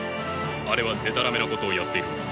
あれはでたらめなことをやっているのです。